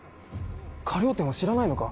河了貂は知らないのか？